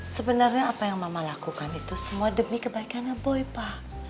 sebenarnya apa yang mama lakukan itu semua demi kebaikannya boipa